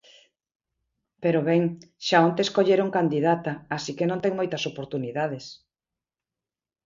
Pero, ben, xa onte escolleron candidata, así que non ten moitas oportunidades.